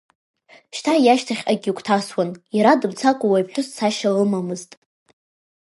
Шьҭа иашьҭахьҟагьы игәҭасуан, иара дымцакәа, уи аԥҳәыс цашьа лымамызт.